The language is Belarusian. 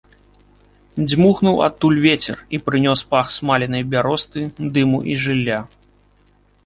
Дзьмухнуў адтуль вецер і прынёс пах смаленай бяросты, дыму і жылля.